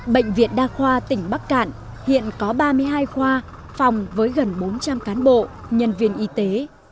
bệnh viện đa khoa tỉnh bắc cạn hiện có ba mươi hai khoa phòng với gần bốn trăm linh cán bộ nhân viên y tế